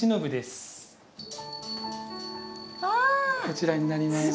こちらになります。